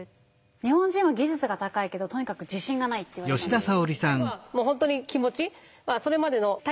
日本人は技術が高いけどとにかく自信がないって言われたんですよ。